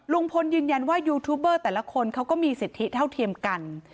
ลุงพลยืนยันว่ายูทูบเบอร์แต่ละคนเขาก็มีสิทธิเท่าเทียมกัน